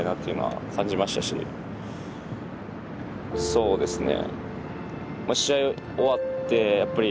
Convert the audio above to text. そうですね。